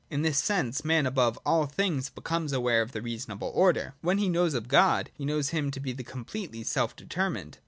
In this sense man above all things becomes aware of the reasonable order, when he knows of God, and knows him to be the completely self determined.